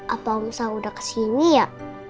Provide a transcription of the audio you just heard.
apa omsa udah kesini ya